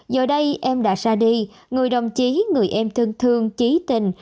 giờ đây em đã ra đi người đồng chí người em thương thương chí tình